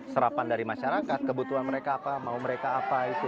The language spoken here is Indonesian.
serapan dari masyarakat kebutuhan mereka apa mau mereka apa itu